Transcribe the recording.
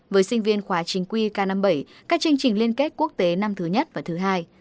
với sinh viên khóa chính quy k năm mươi bảy các chương trình liên kết quốc tế năm thứ nhất và thứ hai